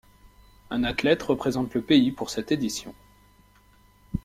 Un athlète représente le pays pour cette édition.